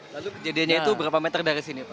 lalu kejadiannya itu berapa meter dari sini pak